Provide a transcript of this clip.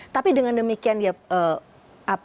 tapi dengan demikiannya kita bisa melakukan hal yang lebih baik